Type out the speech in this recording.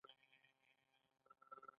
بې تحملي بد دی.